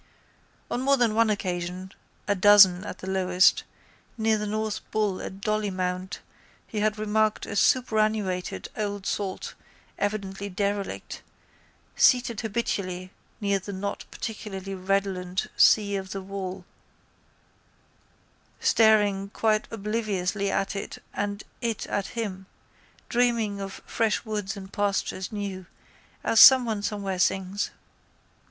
On more than one occasion, a dozen at the lowest, near the North Bull at Dollymount he had remarked a superannuated old salt, evidently derelict, seated habitually near the not particularly redolent sea on the wall, staring quite obliviously at it and it at him, dreaming of fresh woods and pastures new as someone somewhere sings.